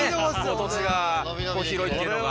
土地が広いっていうのが。